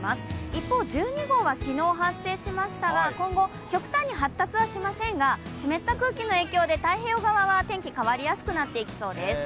一方１２号は昨日発生しましたが、今後極端に発達しませんが湿った空気の影響で太平洋側は天気、変わりやすくなっていきそうです。